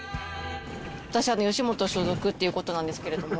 私吉本所属っていう事なんですけれども。